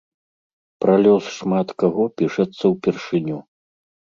Пра лёс шмат каго пішацца ўпершыню.